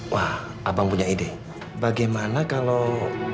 wah abang punya ide bagaimana kalau